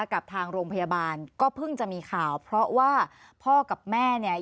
กับทางโรงพยาบาลก็เพิ่งจะมีข่าวเพราะว่าพ่อกับแม่เนี่ย